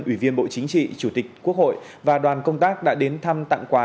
ủy viên bộ chính trị chủ tịch quốc hội và đoàn công tác đã đến thăm tặng quà